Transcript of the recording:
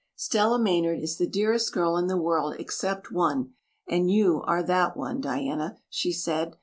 "Stella Maynard is the dearest girl in the world except one and you are that one, Diana," she said.